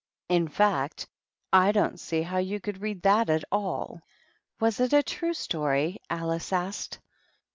"In fact, I don't see how you could read that at all." "Was it a true story?" Alice asked.